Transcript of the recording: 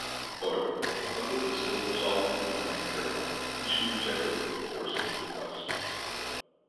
However, the public was still solidly behind Caroline, and she rejected Wilberforce's request.